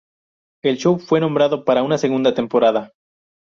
El show fue renovado para una segunda temporada.